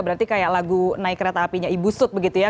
berarti kayak lagu naik kereta apinya ibu sut begitu ya